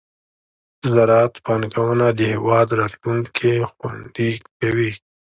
د زراعت پانګونه د هېواد راتلونکې خوندي کوي.